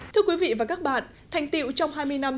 thưa quý vị và các bạn thành tiệu trong hai mươi năm